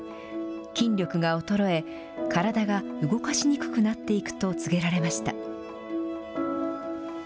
筋力が衰え、体が動かしにくくなっていくと告げられました。